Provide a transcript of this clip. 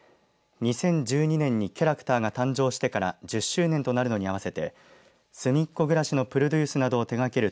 ２０１２年にキャラクターが誕生してから１０周年となるのに合わせてすみっコぐらしのプロデュースなどを手がける